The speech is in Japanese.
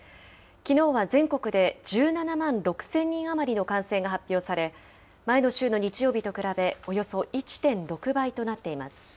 きのうは全国で１７万６０００人余りの感染が発表され、前の週の日曜日と比べおよそ１．６倍となっています。